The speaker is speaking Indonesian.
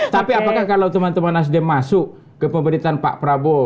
tapi apakah kalau teman teman nasdem masuk ke pemerintahan pak prabowo